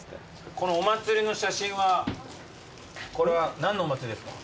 このお祭りの写真はこれは何のお祭りですか？